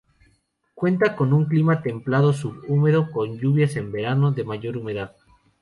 Cuenta con un clima templado subhúmedo con lluvias en verano, de mayor humedad.